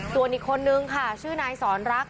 ส่วนอีกคนนึงค่ะชื่อนายสอนรัก